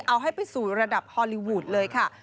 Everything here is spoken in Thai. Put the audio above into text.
เอาให้ไปสู่ระดับฮอลลีวูดเลยค่ะ